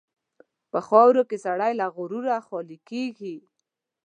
په خاوره کې سړی له غروره خالي کېږي.